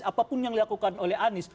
apapun yang dilakukan oleh anies